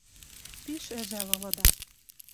Пиш ӹжӓл ылыда